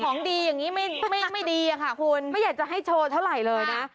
ของดีอย่างนี้ไม่ดีอะค่ะคุณไม่อยากจะให้โชว์เท่าไหร่เลยนะ